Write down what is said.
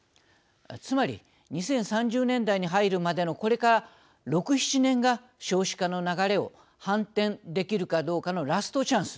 つまり２０３０年代に入るまでのこれから６７年が少子化の流れを反転できるかどうかのラストチャンス。